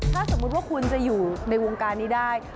ถ้าสมมุติว่าคุณจะอยู่ในวงการนี้ได้